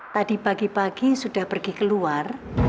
tadi pagi pagi sudah pergi keluar